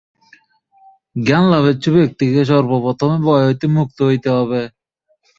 জ্ঞানলাভেচ্ছু ব্যক্তিকে সর্বপ্রথমে ভয় হইতে মুক্ত হইতে হইবে।